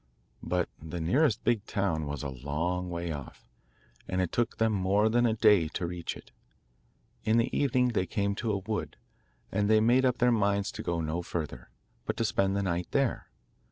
But the nearest big town was a long way off, and it took them more than a day to reach it. In the evening they came to a wood, and they made up their minds to go no further, but to spend the night there.